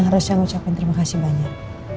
harusnya mengucapkan terima kasih banyak